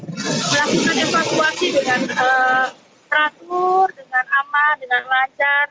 melakukan evakuasi dengan teratur dengan aman dengan lancar